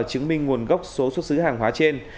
chứng minh nguồn gốc số xuất xứ hàng hóa trên